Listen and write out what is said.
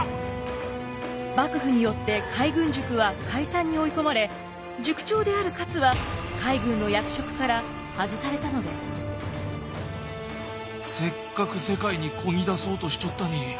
幕府によって海軍塾は解散に追い込まれ塾長である勝はせっかく世界にこぎ出そうとしちょったに。